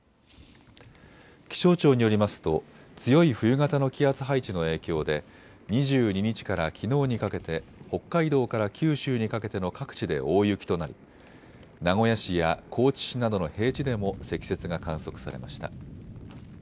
気象庁によりますと強い冬型の気圧配置の影響で２２日からきのうにかけて北海道から九州にかけての各地で大雪となり名古屋市や高知市などの平地でも積雪が観測されました。